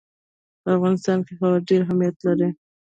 په افغانستان کې هوا ډېر اهمیت لري.